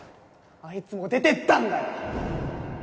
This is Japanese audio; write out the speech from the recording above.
あいつも出てったんだよ